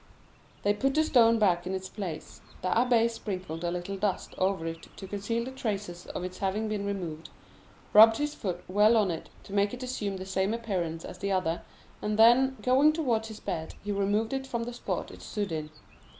They put the stone back in its place; the abbé sprinkled a little dust over it to conceal the traces of its having been removed, rubbed his foot well on it to make it assume the same appearance as the other, and then, going towards his bed, he removed it from the spot it stood in.